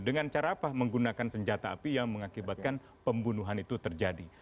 dengan cara apa menggunakan senjata api yang mengakibatkan pembunuhan itu terjadi